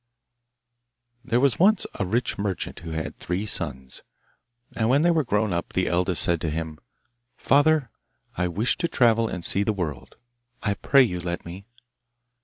There was once a rich merchant who had three sons, and when they were grown up the eldest said to him, 'Father, I wish to travel and see the world. I pray you let me.